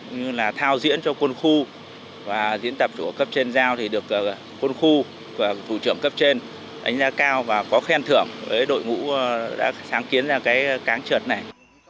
như là thao diễn cho quân khu và diễn tập của cấp trên dao thì được quân khu và thủ trưởng cấp trên ảnh ra cao và có khen thưởng với đội ngũ đã sáng kiến ra cái cáng trượt này